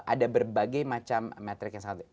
ada berbagai macam metrik yang sangat